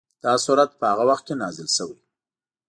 دا سورت په هغه وخت کې نازل شوی.